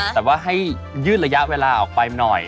แต่ว่าให้ยืดระยะเวลาออกไปหน่อย